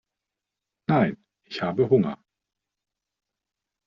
Nein, ich habe Hunger.